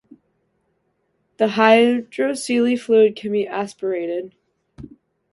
The hydrocele fluid can be aspirated.